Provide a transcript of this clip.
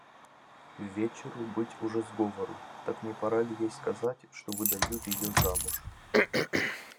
Ввечеру быть уже сговору, так не пора ли ей сказать, что выдают ее замуж?